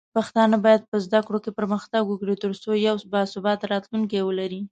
پښتانه بايد په زده کړو کې پرمختګ وکړي، ترڅو یو باثباته راتلونکی ولري.